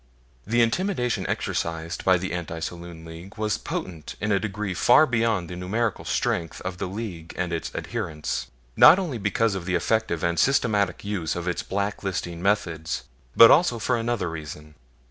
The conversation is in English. The intimidation exercised by the AntiSaloon League was potent in a degree far beyond the numerical strength of the League and its adherents, not only because of the effective and systematic use of its black listing methods, but also for another reason.